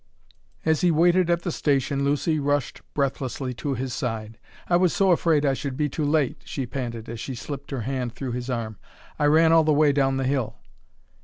As he waited at the station Lucy rushed breathlessly to his side. "I was so afraid I should be too late!" she panted as she slipped her hand through his arm, "I ran all the way down the hill."